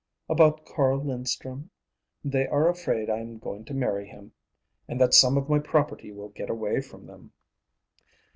"About Carl Linstrum. They are afraid I am going to marry him, and that some of my property will get away from them."